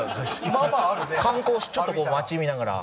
観光ちょっと町見ながら。